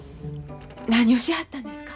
何をしはったんですか？